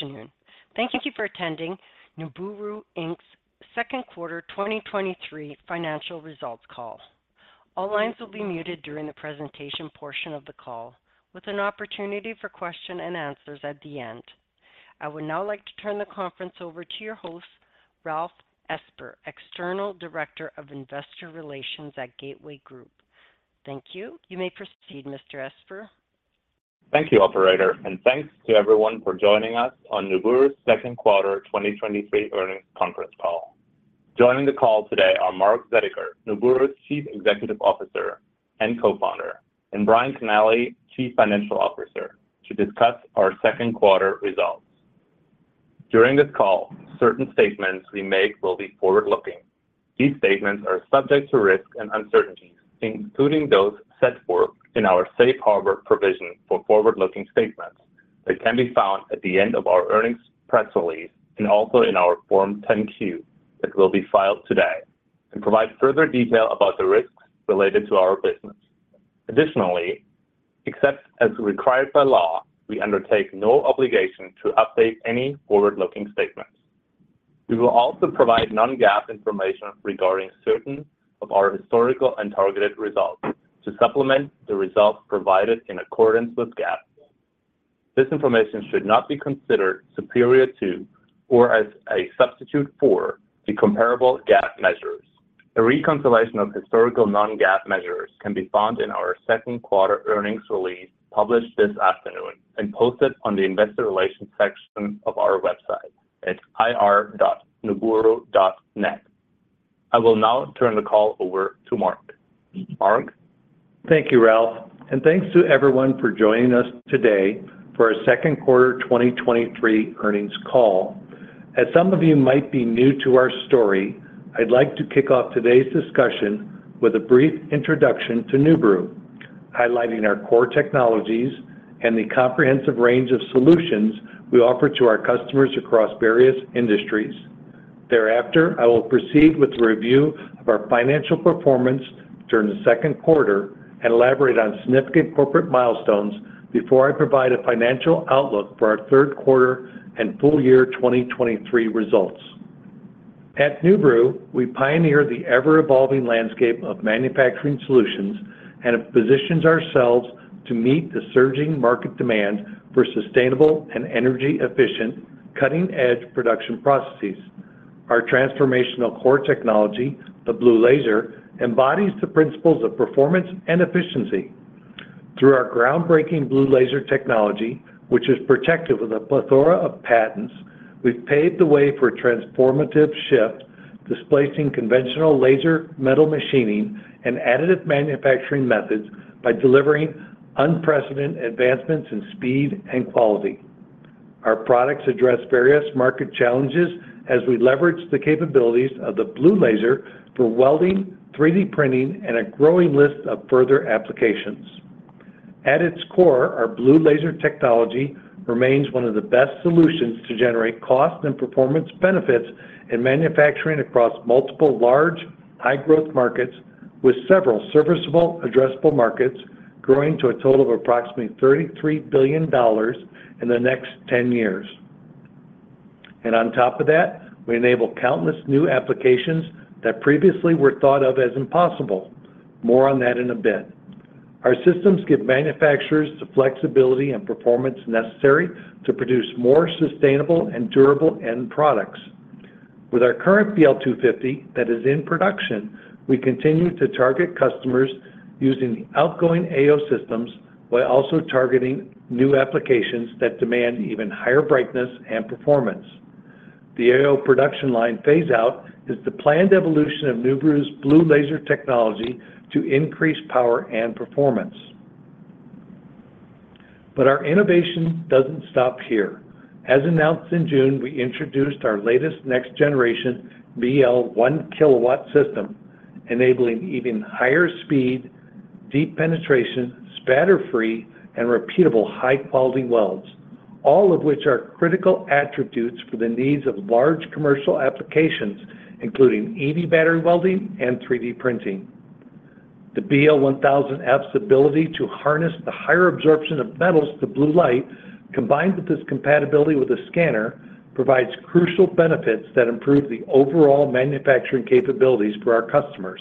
afternoon. Thank you for attending NUBURU Inc's second quarter 2023 financial results call. All lines will be muted during the presentation portion of the call, with an opportunity for question and answers at the end. I would now like to turn the conference over to your host, Ralf Esper, External Director of Investor Relations at Gateway Group. Thank you. You may proceed, Mr. Esper. Thank you, operator, and thanks to everyone for joining us on NUBURU's second quarter 2023 earnings conference call. Joining the call today are Mark Zediker, NUBURU's Chief Executive Officer and Co-founder, and Brian Knaley, Chief Financial Officer, to discuss our second quarter results. During this call, certain statements we make will be forward-looking. These statements are subject to risks and uncertainties, including those set forth in our safe harbor provision for forward-looking statements. They can be found at the end of our earnings press release and also in our Form 10-Q that will be filed today and provide further detail about the risks related to our business. Except as required by law, we undertake no obligation to update any forward-looking statements. We will also provide non-GAAP information regarding certain of our historical and targeted results to supplement the results provided in accordance with GAAP. This information should not be considered superior to, or as a substitute for, the comparable GAAP measures. A reconciliation of historical non-GAAP measures can be found in our second quarter earnings release, published this afternoon and posted on the investor relations section of our website at ir.nuburu.net. I will now turn the call over to Mark. Mark? Thank you, Ralf, and thanks to everyone for joining us today for our second quarter 2023 earnings call. As some of you might be new to our story, I'd like to kick off today's discussion with a brief introduction to NUBURU, highlighting our core technologies and the comprehensive range of solutions we offer to our customers across various industries. Thereafter, I will proceed with the review of our financial performance during the second quarter and elaborate on significant corporate milestones before I provide a financial outlook for our third quarter and full year 2023 results. At NUBURU, we pioneer the ever-evolving landscape of manufacturing solutions and have positioned ourselves to meet the surging market demand for sustainable and energy-efficient, cutting-edge production processes. Our transformational core technology, the blue laser, embodies the principles of performance and efficiency. Through our groundbreaking blue laser technology, which is protected with a plethora of patents, we've paved the way for a transformative shift, displacing conventional laser metal machining and additive manufacturing methods by delivering unprecedented advancements in speed and quality. Our products address various market challenges as we leverage the capabilities of the blue laser for welding, 3D printing, and a growing list of further applications. At its core, our blue laser technology remains one of the best solutions to generate cost and performance benefits in manufacturing across multiple large, high-growth markets, with several serviceable addressable markets growing to a total of approximately $33 billion in the next 10 years. On top of that, we enable countless new applications that previously were thought of as impossible. More on that in a bit. Our systems give manufacturers the flexibility and performance necessary to produce more sustainable and durable end products. With our current BL-250 that is in production, we continue to target customers using outgoing AO systems while also targeting new applications that demand even higher brightness and performance. The AO production line phase out is the planned evolution of NUBURU's blue laser technology to increase power and performance. Our innovation doesn't stop here. As announced in June, we introduced our latest next-generation BL-1000 system, enabling even higher speed, deep penetration, spatter-free, and repeatable high-quality welds, all of which are critical attributes for the needs of large commercial applications, including EV battery welding and 3D printing. The BL-1000 app's ability to harness the higher absorption of metals to blue light, combined with its compatibility with a scanner, provides crucial benefits that improve the overall manufacturing capabilities for our customers.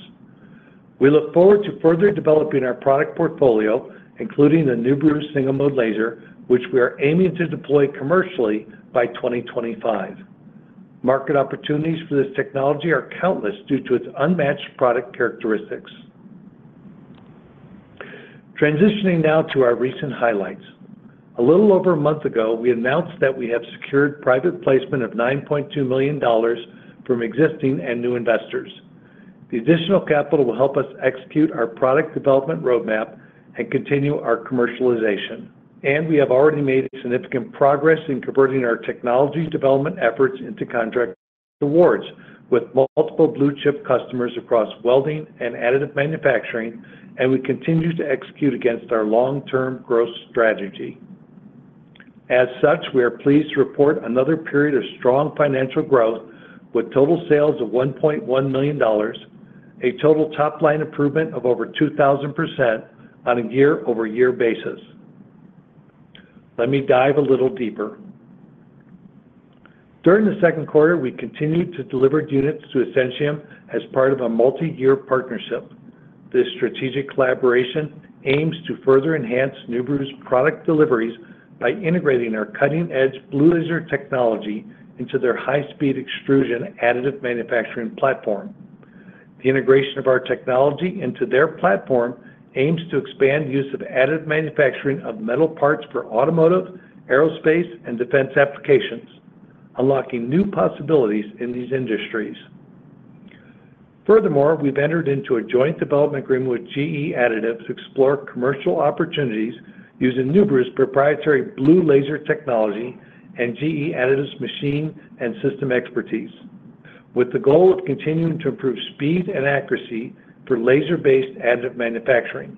We look forward to further developing our product portfolio, including the NUBURU single-mode laser, which we are aiming to deploy commercially by 2025. Market opportunities for this technology are countless due to its unmatched product characteristics. Transitioning now to our recent highlights. A little over a month ago, we announced that we have secured private placement of $9.2 million from existing and new investors. The additional capital will help us execute our product development roadmap and continue our commercialization. We have already made significant progress in converting our technology development efforts into contract awards with multiple blue-chip customers across welding and additive manufacturing, and we continue to execute against our long-term growth strategy. As such, we are pleased to report another period of strong financial growth, with total sales of $1.1 million, a total top-line improvement of over 2,000% on a year-over-year basis. Let me dive a little deeper. During the second quarter, we continued to deliver units to Essentium as part of a multi-year partnership. This strategic collaboration aims to further enhance NUBURU's product deliveries by integrating our cutting-edge blue laser technology into their high-speed extrusion additive manufacturing platform. The integration of our technology into their platform aims to expand use of additive manufacturing of metal parts for automotive, aerospace, and defense applications, unlocking new possibilities in these industries. Furthermore, we've entered into a joint development agreement with GE Additive to explore commercial opportunities using NUBURU's proprietary blue laser technology and GE Additive's machine and system expertise, with the goal of continuing to improve speed and accuracy for laser-based additive manufacturing.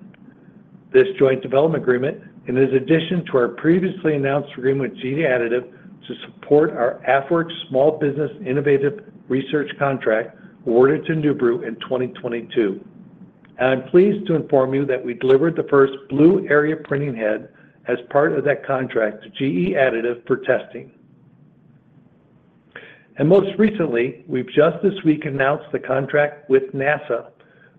This joint development agreement, and is addition to our previously announced agreement with GE Additive to support our AFWERX Small Business Innovation Research contract, awarded to NUBURU in 2022. I'm pleased to inform you that we delivered the first blue-area printing head as part of that contract to GE Additive for testing. Most recently, we've just this week announced the contract with NASA.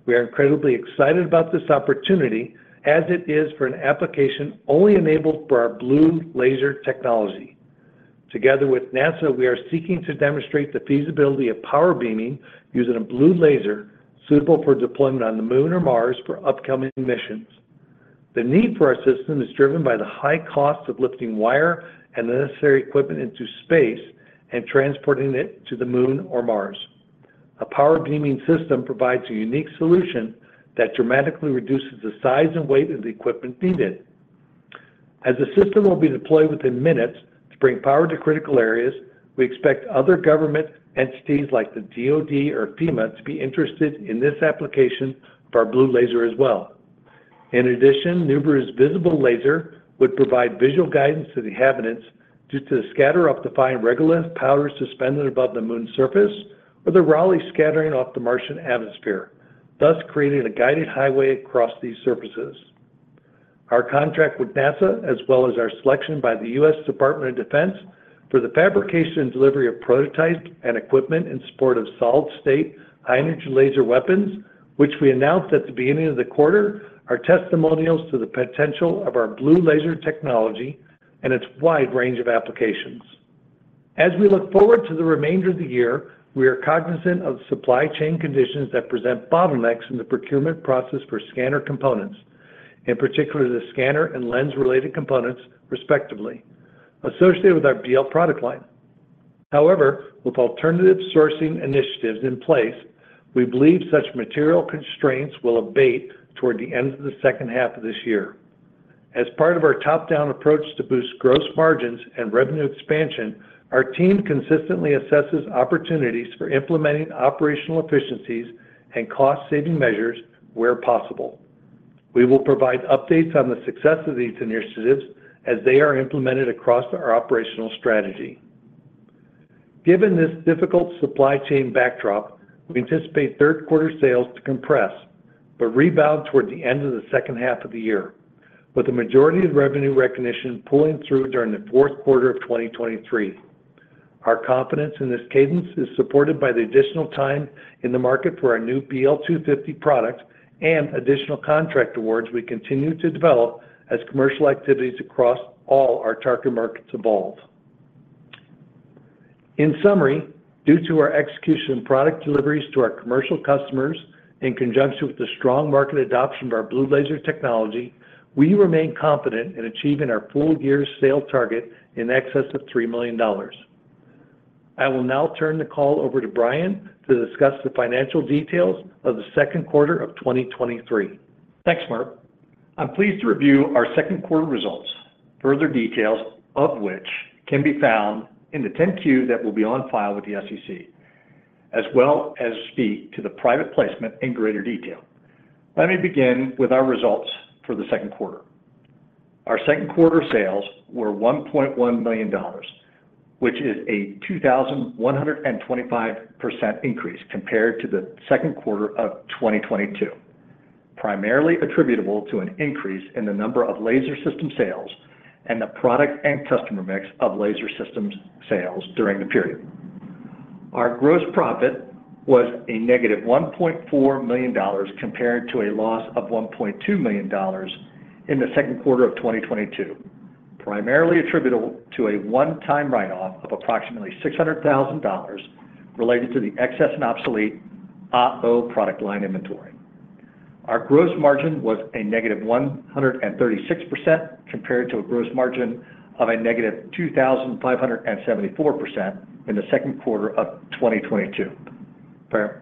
We are incredibly excited about this opportunity, as it is for an application only enabled for our blue laser technology. Together with NASA, we are seeking to demonstrate the feasibility of power beaming using a blue laser suitable for deployment on the Moon or Mars for upcoming missions. The need for our system is driven by the high cost of lifting wire and the necessary equipment into space and transporting it to the Moon or Mars. A power-beaming system provides a unique solution that dramatically reduces the size and weight of the equipment needed. As the system will be deployed within minutes to bring power to critical areas, we expect other government entities like the DoD or FEMA to be interested in this application for our blue laser as well. NUBURU's visible laser would provide visual guidance to the inhabitants due to the scatter of the fine regolith powder suspended above the Moon's surface, or the Rayleigh scattering off the Martian atmosphere, thus creating a guided highway across these surfaces. Our contract with NASA, as well as our selection by the U.S. Department of Defense for the fabrication and delivery of prototypes and equipment in support of solid-state, high-energy laser weapons, which we announced at the beginning of the quarter, are testimonials to the potential of our blue laser technology and its wide range of applications. As we look forward to the remainder of the year, we are cognizant of the supply chain conditions that present bottlenecks in the procurement process for scanner components, in particular, the scanner and lens-related components, respectively, associated with our BL product line. However, with alternative sourcing initiatives in place, we believe such material constraints will abate toward the end of the second half of this year. As part of our top-down approach to boost gross margins and revenue expansion, our team consistently assesses opportunities for implementing operational efficiencies and cost-saving measures where possible. We will provide updates on the success of these initiatives as they are implemented across our operational strategy. Given this difficult supply chain backdrop, we anticipate third quarter sales to compress, but rebound toward the end of the second half of the year, with the majority of revenue recognition pulling through during the fourth quarter of 2023. Our confidence in this cadence is supported by the additional time in the market for our new BL-250 product and additional contract awards we continue to develop as commercial activities across all our target markets evolve. In summary, due to our execution of product deliveries to our commercial customers, in conjunction with the strong market adoption of our blue laser technology, we remain confident in achieving our full year sales target in excess of $3 million. I will now turn the call over to Brian to discuss the financial details of the second quarter of 2023. Thanks, Mark. I'm pleased to review our second quarter results, further details of which can be found in the 10-Q that will be on file with the SEC, as well as speak to the private placement in greater detail. Let me begin with our results for the second quarter. Our second quarter sales were $1.1 million, which is a 2,125% increase compared to the second quarter of 2022, primarily attributable to an increase in the number of laser system sales and the product and customer mix of laser systems sales during the period. Our gross profit was a -$1.4 million, compared to a loss of $1.2 million in the second quarter of 2022, primarily attributable to a one-time write-off of approximately $600,000 related to the excess and obsolete AO product line inventory. Our gross margin was a -136%, compared to a gross margin of a -2,574% in the second quarter of 2022,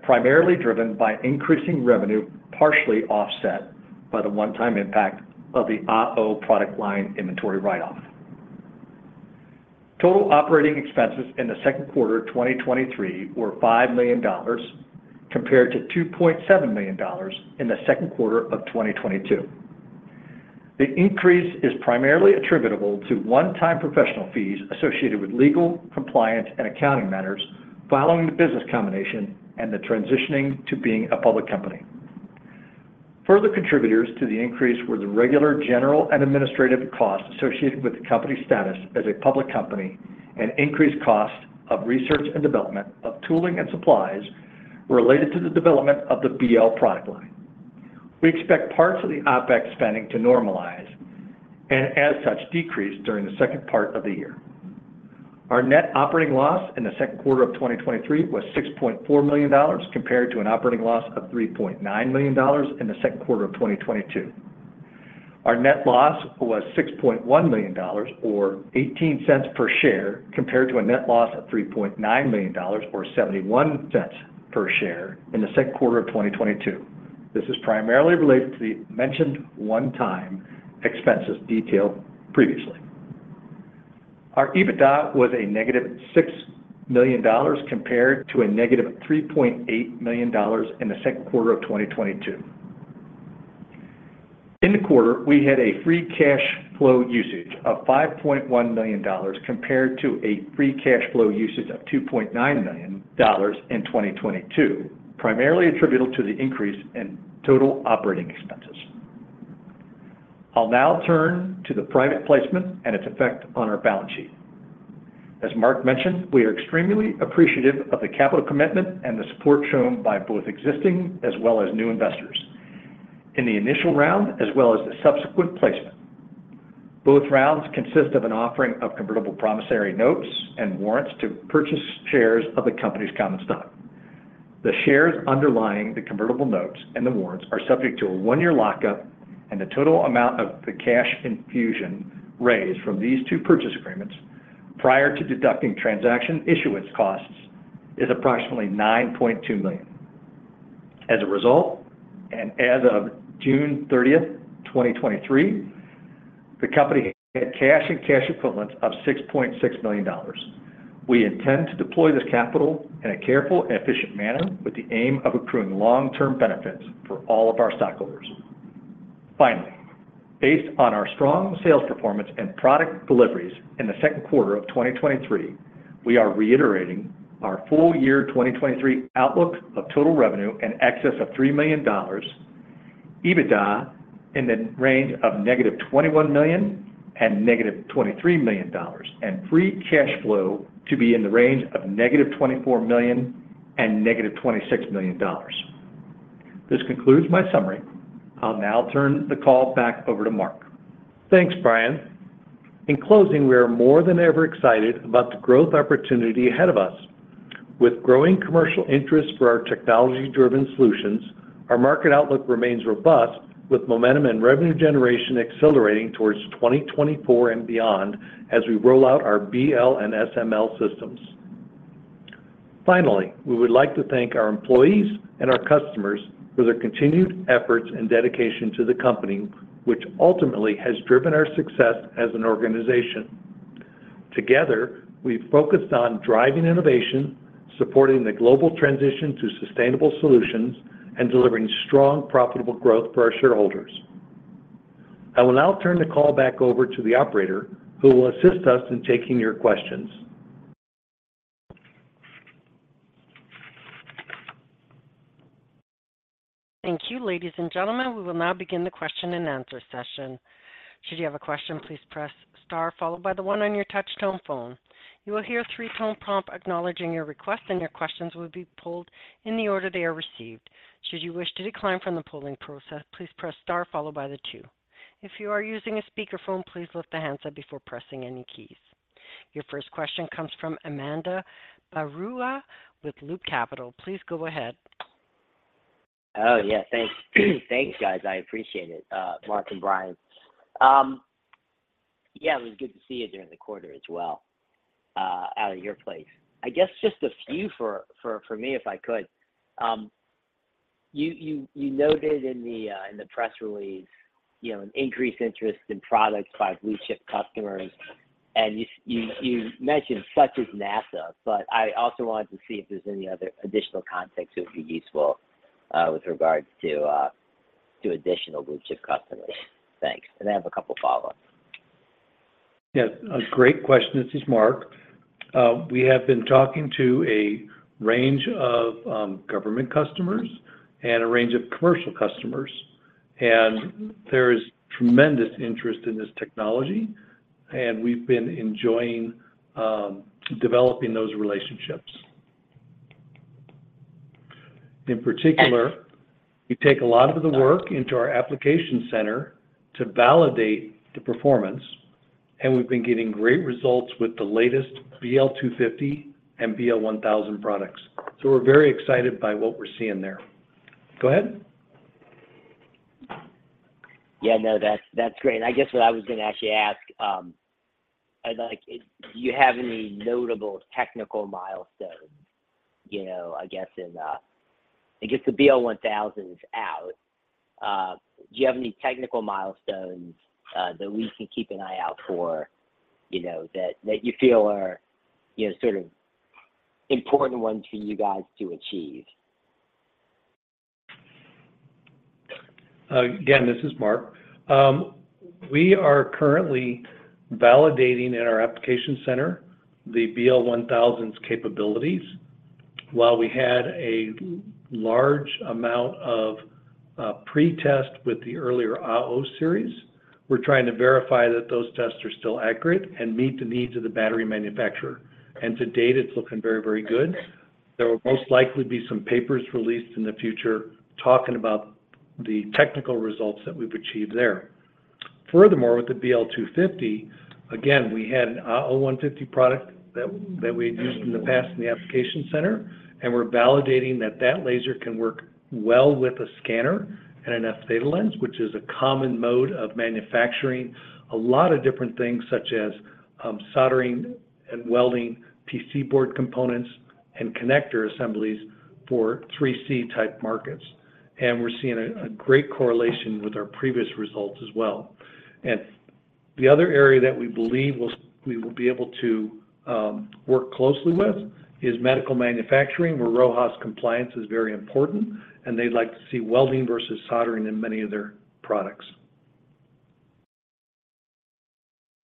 primarily driven by increasing revenue, partially offset by the one-time impact of the AO product line inventory write-off. Total operating expenses in the second quarter of 2023 were $5 million, compared to $2.7 million in the second quarter of 2022. The increase is primarily attributable to one-time professional fees associated with legal, compliance, and accounting matters following the business combination and the transitioning to being a public company. Further contributors to the increase were the regular general and administrative costs associated with the company's status as a public company, and increased costs of research and development of tooling and supplies related to the development of the BL product line. We expect parts of the OpEx spending to normalize, and as such, decrease during the second part of the year. Our net operating loss in the second quarter of 2023 was $6.4 million, compared to an operating loss of $3.9 million in the second quarter of 2022. Our net loss was $6.1 million, or $0.18 per share, compared to a net loss of $3.9 million, or $0.71 per share in the second quarter of 2022. This is primarily related to the mentioned one-time expenses detailed previously. Our EBITDA was a -$6 million, compared to a -$3.8 million in the second quarter of 2022. In the quarter, we had a free cash flow usage of $5.1 million, compared to a free cash flow usage of $2.9 million in 2022, primarily attributable to the increase in total operating expenses. I'll now turn to the private placement and its effect on our balance sheet. As Mark mentioned, we are extremely appreciative of the capital commitment and the support shown by both existing as well as new investors in the initial round, as well as the subsequent placement. Both rounds consist of an offering of convertible promissory notes and warrants to purchase shares of the company's common stock. The shares underlying the convertible notes and the warrants are subject to a one-year lockup, and the total amount of the cash infusion raised from these two purchase agreements, prior to deducting transaction issuance costs, is approximately $9.2 million. As a result, and as of June 30, 2023, the company had cash and cash equivalents of $6.6 million. We intend to deploy this capital in a careful and efficient manner with the aim of accruing long-term benefits for all of our stockholders. Finally, based on our strong sales performance and product deliveries in the second quarter of 2023, we are reiterating our full year 2023 outlook of total revenue in excess of $3 million, EBITDA in the range of -$21 million and -$23 million, and free cash flow to be in the range of -$24 million and -$26 million. This concludes my summary. I'll now turn the call back over to Mark. Thanks, Brian. In closing, we are more than ever excited about the growth opportunity ahead of us. With growing commercial interest for our technology-driven solutions, our market outlook remains robust, with momentum and revenue generation accelerating towards 2024 and beyond as we roll out our BL and SML systems. Finally, we would like to thank our employees and our customers for their continued efforts and dedication to the company, which ultimately has driven our success as an organization. Together, we've focused on driving innovation, supporting the global transition to sustainable solutions, and delivering strong, profitable growth for our shareholders. I will now turn the call back over to the operator, who will assist us in taking your questions. Thank you, ladies and gentlemen. We will now begin the question-and-answer session. Should you have a question, please press star followed by the one on your touchtone phone. You will hear a 3-tone prompt acknowledging your request, and your questions will be polled in the order they are received. Should you wish to decline from the polling process, please press star followed by the two. If you are using a speakerphone, please lift the handset before pressing any keys. Your first question comes from Ananda Baruah with Loop Capital. Please go ahead. Oh, yeah. Thanks. Thanks, guys. I appreciate it, Mark and Brian. Yeah, it was good to see you during the quarter as well, out at your place. I guess just a few for, for, for me, if I could. You, you, you noted in the press release, you know, an increased interest in products by blue-chip customers, and you, you, you mentioned such as NASA, but I also wanted to see if there's any other additional context that would be useful with regards to additional blue-chip customers. Thanks, and I have a couple follow-ups. Yeah, a great question. This is Mark. We have been talking to a range of government customers and a range of commercial customers, and there is tremendous interest in this technology, and we've been enjoying developing those relationships. In particular, we take a lot of the work into our application center to validate the performance, we've been getting great results with the latest BL-250 and BL-1000 products. We're very excited by what we're seeing there. Go ahead. Yeah, no, that's, that's great. I guess what I was going to actually ask, Do you have any notable technical milestones, you know, I guess, in, I guess the BL-1000 is out? Do you have any technical milestones that we can keep an eye out for, you know, that, that you feel are, you know, sort of important ones for you guys to achieve? Again, this is Mark. We are currently validating in our application center the BL-1000's capabilities. While we had a large amount of pre-test with the earlier AO series, we're trying to verify that those tests are still accurate and meet the needs of the battery manufacturer. To date, it's looking very, very good. There will most likely be some papers released in the future talking about the technical results that we've achieved there. Furthermore, with the BL-250, again, we had an AO-150 product that we had used in the past in the application center, and we're validating that that laser can work well with a scanner and an f-theta lens, which is a common mode of manufacturing a lot of different things, such as soldering and welding PC board components and connector assemblies for 3C-type markets. We're seeing a, a great correlation with our previous results as well. The other area that we believe we will be able to work closely with, is medical manufacturing, where RoHS compliance is very important, and they'd like to see welding versus soldering in many of their products.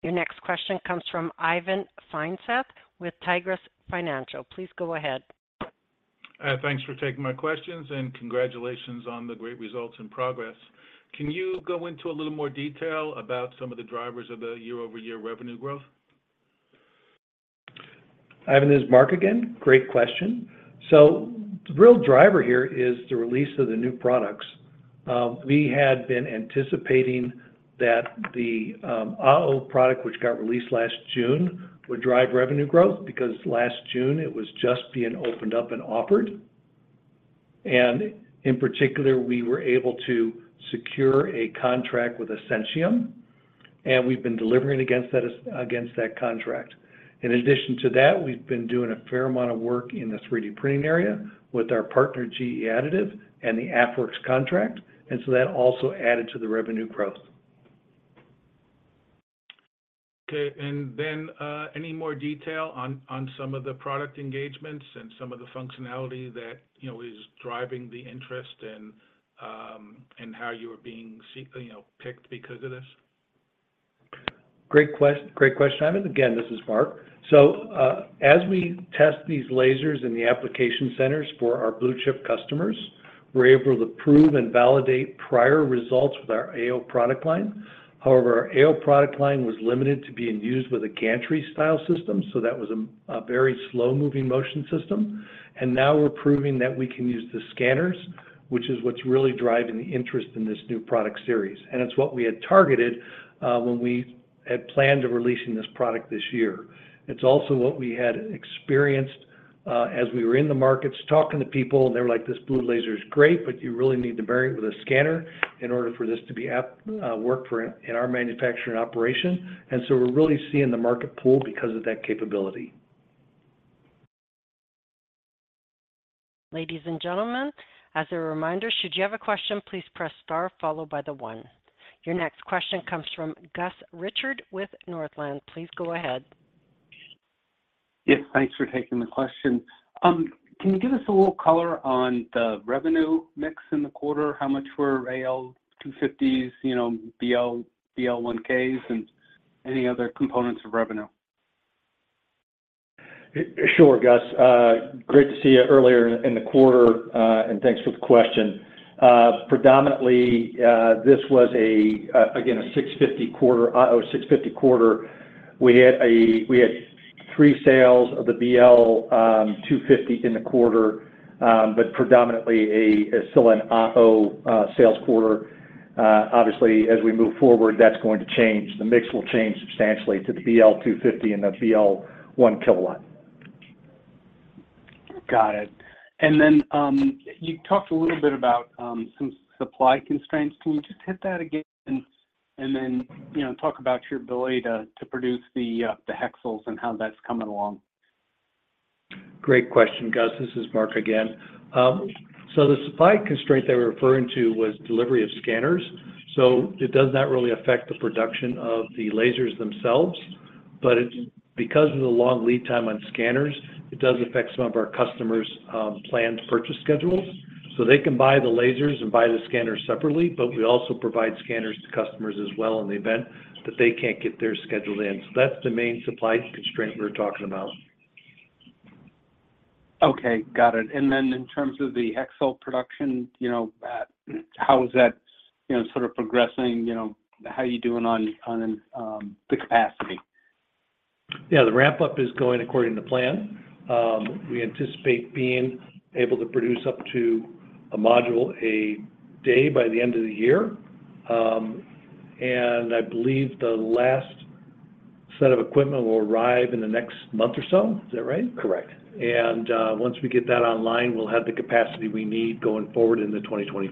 Your next question comes from Ivan Feinseth with Tigress Financial. Please go ahead. Thanks for taking my questions. Congratulations on the great results and progress. Can you go into a little more detail about some of the drivers of the year-over-year revenue growth? Ivan, this is Mark again. Great question. The real driver here is the release of the new products. We had been anticipating that the AO product, which got released last June, would drive revenue growth, because last June it was just being opened up and offered. In particular, we were able to secure a contract with Essentium, and we've been delivering against that against that contract. In addition to that, we've been doing a fair amount of work in the 3D printing area with our partner, GE Additive, and the GE Additive's AddWorks contract, that also added to the revenue growth. Okay, any more detail on, on some of the product engagements and some of the functionality that, you know, is driving the interest and, and how you are being you know, picked because of this? Great quest- great question, Ivan. Again, this is Mark. As we test these lasers in the application centers for our blue-chip customers, we're able to prove and validate prior results with our AO product line. However, our AO product line was limited to being used with a gantry-style system, so that was a, a very slow-moving motion system. Now we're proving that we can use the scanners, which is what's really driving the interest in this new product series. It's what we had targeted when we had planned on releasing this product this year. It's also what we had experienced, as we were in the markets talking to people, and they were like, "This blue laser is great, but you really need to vary it with a scanner in order for this to be work for in, in our manufacturing operation." So we're really seeing the market pull because of that capability. Ladies and gentlemen, as a reminder, should you have a question, please press star followed by the one. Your next question comes from Gus Richard with Northland. Please go ahead. Yes, thanks for taking the question. Can you give us a little color on the revenue mix in the quarter? How much were BL-250s, you know, BL, BL-1000s, and any other components of revenue? Sure, Gus. Great to see you earlier in the quarter, thanks for the question. Predominantly, this was again, a 650 quarter, AO-650 quarter. We had three sales of the BL-250 in the quarter, predominantly still an AO sales quarter. Obviously, as we move forward, that's going to change. The mix will change substantially to the BL-250 and the BL-1000. Got it. Then, you talked a little bit about some supply constraints. Can you just hit that again and then, you know, talk about your ability to, to produce the hexagons and how that's coming along? Great question, Gus. This is Mark again. The supply constraint that we're referring to was delivery of scanners. It does not really affect the production of the lasers themselves, but it, because of the long lead time on scanners, it does affect some of our customers', planned purchase schedules. They can buy the lasers and buy the scanners separately, but we also provide scanners to customers as well in the event that they can't get their schedule in. That's the main supply constraint we're talking about. Okay, got it. Then in terms of the hexagon production, you know, how is that, you know, sort of progressing? You know, how are you doing on, on, the capacity? Yeah, the ramp-up is going according to plan. We anticipate being able to produce up to one module a day by the end of the year. I believe the last set of equipment will arrive in the next month or so. Is that right? Correct. Once we get that online, we'll have the capacity we need going forward into 2024.